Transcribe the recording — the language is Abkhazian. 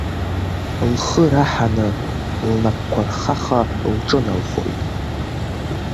Лхы раҳаны лнапқәа рхаха лҿыналхоит.